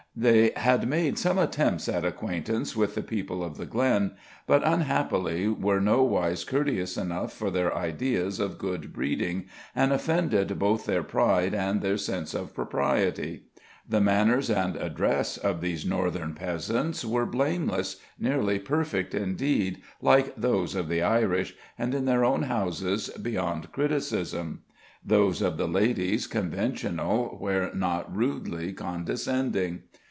They had made some attempts at acquaintance with the people of the glen, but unhappily were nowise courteous enough for their ideas of good breeding, and offended both their pride and their sense of propriety. The manners and address of these northern peasants were blameless nearly perfect indeed, like those of the Irish, and in their own houses beyond criticism; those of the ladies conventional where not rudely condescending.